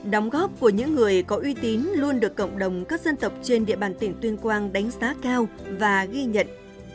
đóng góp của những người có uy tín luôn được cộng đồng các dân tộc trên địa bàn tỉnh tuyên quang đánh giá cao và ghi nhận